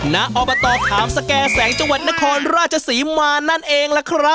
ณอบตขามสแก่แสงจังหวัดนครราชศรีมานั่นเองล่ะครับ